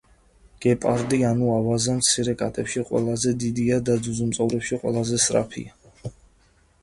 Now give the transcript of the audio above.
გეპარდი ანუ ავაზა მცირე კატებში ყველაზე დიდი და ძუძუმწოვრებში ყველაზე სწრაფია.